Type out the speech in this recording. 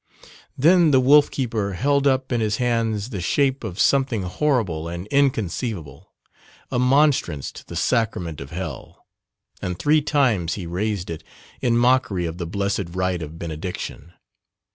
Then the wolf keeper held up in his hands the shape of something horrible and inconceivable a monstrance to the Sacrament of Hell, and three times he raised it, in mockery of the blessed rite of Benediction.